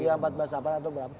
iya empat belas delapan atau berapa